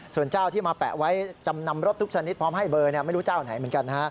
ส่วนเจ้าที่มาแปะไว้จำนำรถทุกชนิดพร้อมให้เบอร์ไม่รู้เจ้าไหนเหมือนกัน